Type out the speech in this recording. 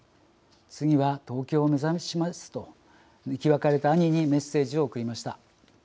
次は東京を目指しますと生き別れた兄にメッセージを送りました。